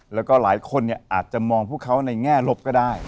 แล้วก็หลายคนอาจจะมองพวกเขาในแง่ลบก็ได้